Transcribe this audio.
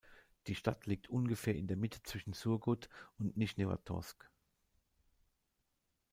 Die Stadt liegt ungefähr in der Mitte zwischen Surgut und Nischnewartowsk.